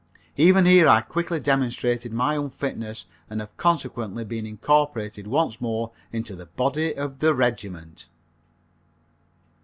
Even here I quickly demonstrated my unfitness and have consequently been incorporated once more into the body of my regiment.